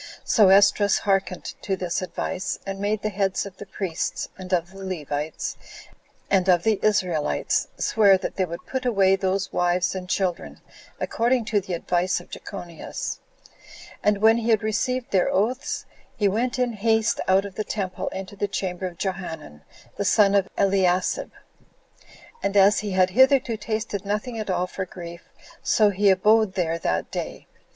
So Esdras hearkened to this advice, and made the heads of the priests, and of the Levites, and of the Israelites, swear that they would put away those wives and children, according to the advice of Jechonias. And when he had received their oaths, he went in haste out of the temple into the chamber of Johanan, the son of Eliasib, and as he had hitherto tasted nothing at all for grief, so he abode there that day.